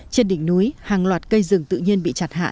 trên đỉnh núi hàng loạt cây rừng tự nhiên bị chặt hạ